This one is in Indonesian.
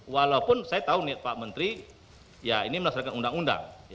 walaupun saya tahu nih pak menteri ya ini melaksanakan undang undang